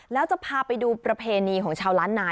แล้วจะพาไปดูประเพณีของชาวล้านนา